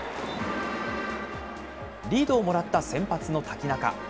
リードをもらった先発の瀧中。